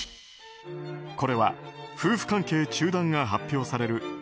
これは夫婦関係中断が発表される